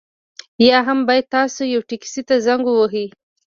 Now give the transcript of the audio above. یا هم باید تاسو یوه ټکسي ته زنګ ووهئ